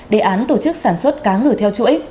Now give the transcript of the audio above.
đề án tổ chức sản xuất cá ngừ theo chuỗi